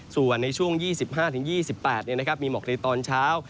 ส่วนในช่วง๒๕๒๘มีหมอกในตอนเช้า